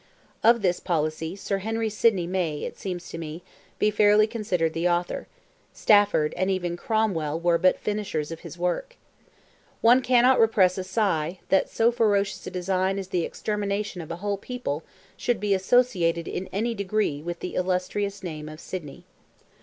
Of this policy, Sir Henry Sidney may, it seems to me, be fairly considered the author; Stafford, and even Cromwell were but finishers of his work. One cannot repress a sigh that so ferocious a design as the extermination of a whole people should be associated in any degree with the illustrious name of Sidney.